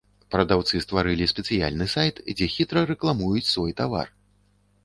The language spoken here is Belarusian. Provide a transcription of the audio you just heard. Прадаўцы стварылі спецыяльны сайт, дзе хітра рэкламуюць свой тавар.